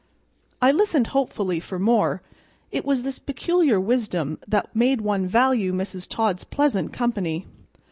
I listened hopefully for more; it was this peculiar wisdom that made one value Mrs. Todd's pleasant company.